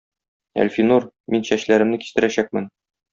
Әлфинур, мин чәчләремне кистерәчәкмен.